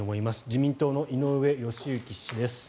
自民党の井上義行氏です。